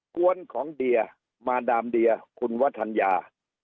กวนของเดียมาดามเดียคุณวัฒนยา